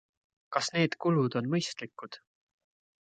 Kas need kulud on mõistlikud?